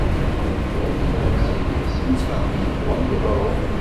Ad iliɣ s idis-ik i yebɣun yeḍru.